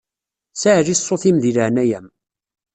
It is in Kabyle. Saɛli ṣṣut-im di leɛnaya-m.